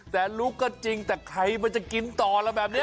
แต่รู้ก็จริงแต่ขัยมันจะกินต่อแบบนี้